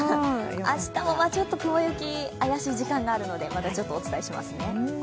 明日もちょっと雲行き怪しい時間があるのでまたお伝えしますね。